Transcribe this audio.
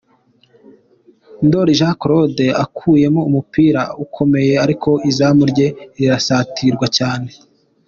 Ndori Jean Claude akuyemo umupira ukomeye, ariko izamu rye rirasatirwa cyane.